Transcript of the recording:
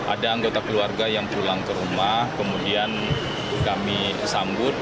ada anggota keluarga yang pulang ke rumah kemudian kami sambut